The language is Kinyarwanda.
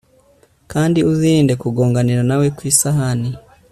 kandi uzirinde kugonganira na we ku isahani